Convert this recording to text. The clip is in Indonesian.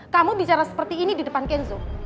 kamu bicara seperti ini di depan kenzo